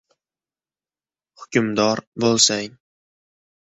—Hukmdor bo‘lsang